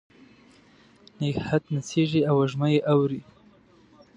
نګهت نڅیږې او وږمه یې اوري